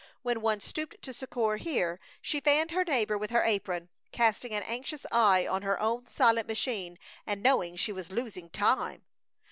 When any stooped to succor here, she fanned her neighbor with her apron, casting an anxious eye on her own silent machine and knowing she was losing "time."